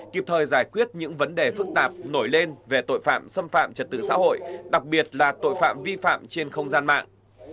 kịp thời giải quyết những vấn đề phức tạp nổi lên về tội phạm xâm phạm trật tự xã hội đặc biệt là tội phạm vi phạm trên không gian mạng